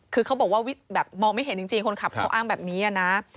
คือเขาบอกว่าแบบมองไม่เห็นจริงคนขับเขาอ้างแบบนี้นะ